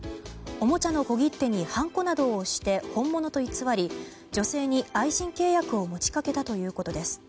おもちゃの小切手にはんこなどを押して本物と偽り女性に愛人契約を持ちかけたということです。